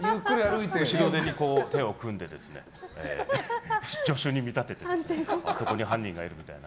後ろ手に手を組んで助手に見立ててそこに犯人がいる、みたいな。